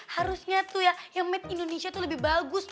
harusnya tuh ya yang made indonesia itu lebih bagus